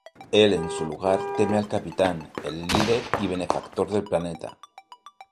Él en su lugar teme al Capitán, el líder y benefactor del planeta.